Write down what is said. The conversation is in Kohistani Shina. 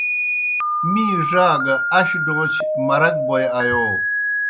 می ڙا گہ اش ڈون٘چھیْ مرک بوئے آیو۔